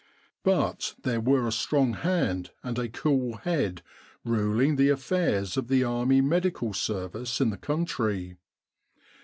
But there were a strong hand and a cool head ruling the affairs of the Army Medical Service in the country.